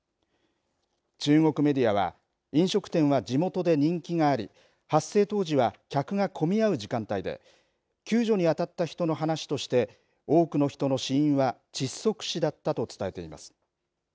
中国メディアは飲食店は地元で人気があり発生当時は客が混み合う時間帯で救助に当たった人の話として多くの人の死因は窒息死だったと伝えています。